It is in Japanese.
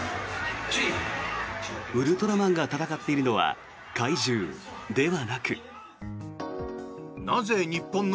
ウルトラマンが戦っているのは怪獣ではなく。